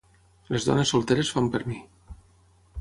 Les dones solteres fan per mi.